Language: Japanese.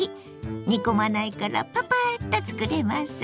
煮込まないからパパッと作れます。